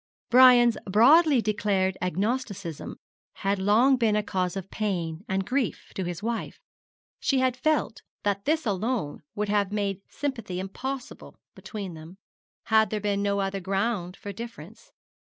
Brian's broadly declared agnosticism had long been a cause of pain and grief to his wife. She had felt that this alone would have made sympathy impossible between them, had there been no other ground for difference.